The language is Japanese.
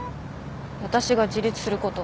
私が自立すること。